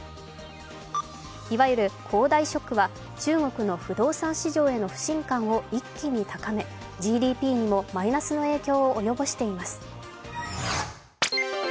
いわゆる恒大ショックは中国の不動産市場への不信感を一気に高め、ＧＤＰにもマイナスの影響を及ぼしています。